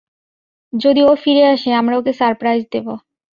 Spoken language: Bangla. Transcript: যদি ও ফিরে আসে, আমরা ওকে সারপ্রাইজ দেবো।